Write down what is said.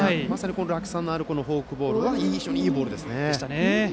落差のあるフォークボールが非常にいいボールでしたね。